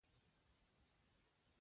نجلۍ مهربانه ده.